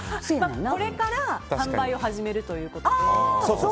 これから販売を始めるということで。